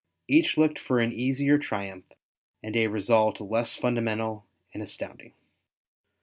Each looked for an easier triumph, and a result less fundamental and astounding.